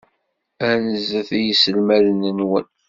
Anzet i yiselmaden-nwen.